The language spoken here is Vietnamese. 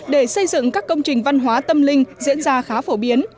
để xây dựng các công trình văn hóa tâm linh diễn ra khá phổ biến